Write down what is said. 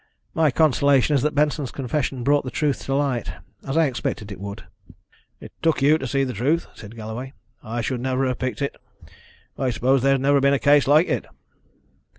"My consolation is that Benson's confession brought the truth to light, as I expected it would." "It took you to see the truth," said Galloway. "I should never have picked it. I suppose there has never been a case like it."